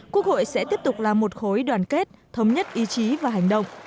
quốc hội sẽ tiếp tục là một khối đoàn kết thống nhất ý chí và hành động